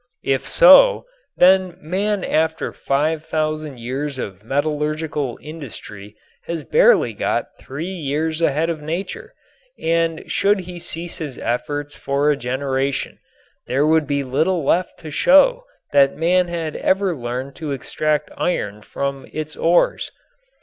If so, then man after five thousand years of metallurgical industry has barely got three years ahead of nature, and should he cease his efforts for a generation there would be little left to show that man had ever learned to extract iron from its ores.